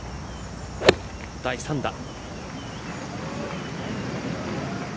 第３打。